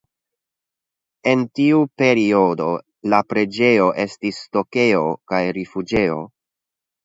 En tiu periodo la preĝejo estis stokejo kaj rifuĝejo.